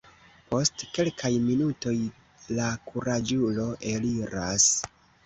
Post kelkaj minutoj la kuraĝulo eliras.